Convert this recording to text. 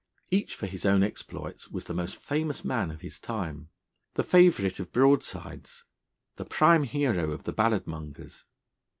Each, for his own exploits, was the most famous man of his time, the favourite of broadsides, the prime hero of the ballad mongers.